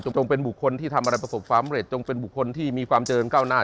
จงเป็นบุคคลที่ทำอะไรประสบความเร็จจงเป็นบุคคลที่มีความเจริญก้าวหน้า